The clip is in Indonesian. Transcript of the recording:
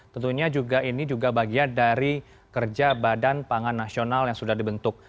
tentunya ini juga bagian dari kerja badan pangan nasional yang sudah dibentuk